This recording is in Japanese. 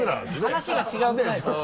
話が違うくないですか？